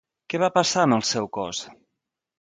Què va passar amb el seu cos?